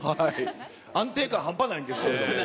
安定感半端ないんですけれども。